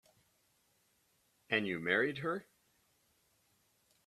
And you married her.